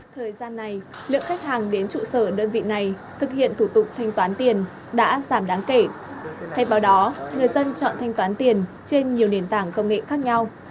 thời gian này lượng khách hàng đến trụ sở đơn vị này thực hiện thủ tục thanh toán tiền đã giảm đáng kể thay vào đó người dân chọn thanh toán tiền trên nhiều nền tảng công nghệ khác nhau